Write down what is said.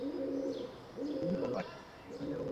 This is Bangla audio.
তুমি বলো আগে।